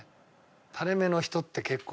垂れ目の人って結構。